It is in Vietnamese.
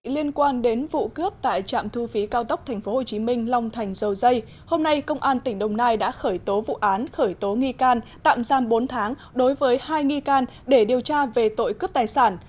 liên quan đến vụ cướp tại trạm thu phí cao tốc tp hcm long thành dầu dây hôm nay công an tỉnh đồng nai đã khởi tố vụ án khởi tố nghi can tạm giam bốn tháng đối với hai nghi can để điều tra về tội cướp tài sản